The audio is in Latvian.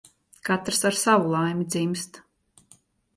Katrs ar savu laimi dzimst.